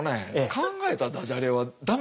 考えたダジャレは駄目。